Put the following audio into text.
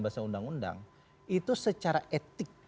bahasa undang undang itu secara etik